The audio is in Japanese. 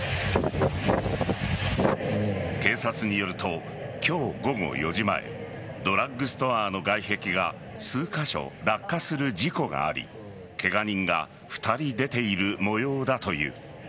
警察によると今日午後４時前ドラッグストアの外壁が数カ所落下する事故がありケガ人が２人出ているもようだという。